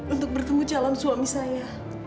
untuk bertemu calon suami saya